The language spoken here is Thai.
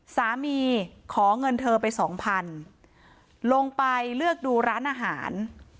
สามีขอเงินเธอไป๒๐๐๐ลงไปเลือกดูร้านอาหาร